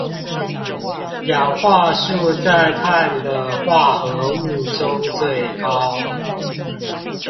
氧化數在碳的化合物中最高